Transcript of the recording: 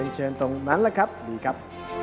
เชิญตรงนั้นแหละครับดีครับ